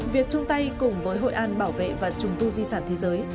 việc chung tay cùng với hội an bảo vệ và trùng tu di sản thế giới